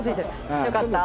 よかった。